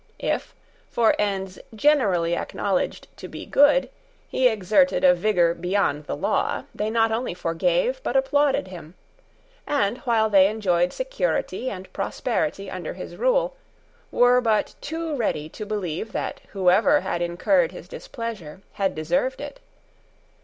If, for ends generally acknowledged to be good, he exerted a vigour beyond the law, they not only forgave, but applauded him, and while they enjoyed security and prosperity under his rule, were but too ready to believe that whoever had incurred his displeasure had deserved it.